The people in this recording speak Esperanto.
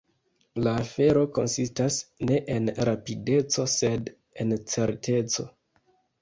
La afero konsistas ne en rapideco, sed en certeco.